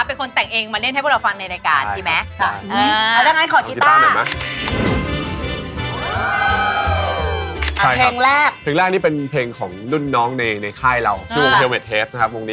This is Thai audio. เป็นคนแต่งเองมาเล่นให้พวกเราฟังในรายการดีไหม